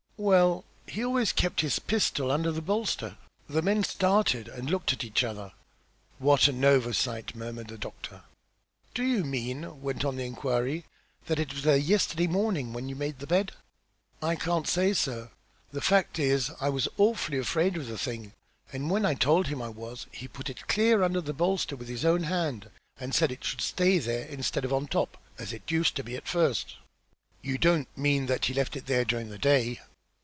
"Well, he always kept his pistol under the bolster." The men started and looked at each other. "What an oversight," murmured the doctor. "Do you mean," went on the enquiry, "that it was there yesterday morning when you made the bed?" "I can't say, sir. The fact is, I was awfully afraid of the thing, and when I told him I was, he put it clear under the bolster with his own hand, and said it should stay there, instead of on top, as it used to be at first." "You don't mean that he left it there during the day?"